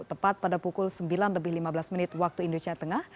tepat pada pukul sembilan lima belas waktu indonesia tengah